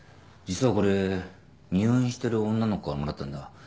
実はこれ入院してる女の子からもらったんだ。